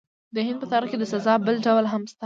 د هند په تاریخ کې د سزا بل ډول هم شته.